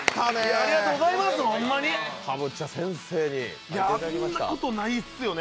あんなことないっすよね。